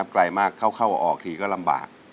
ไกลมากเข้าออกทีก็ลำบาก